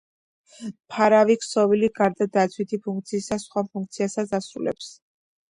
მფარავი ქსოვილი, გარდა დაცვითი ფუნქციისა, სხვა ფუნქციასაც ასრულებს.